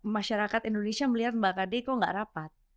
masyarakat indonesia melihat mbak kd kok nggak rapat